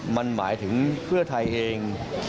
มันหมายถึงเพื่อไทยเอง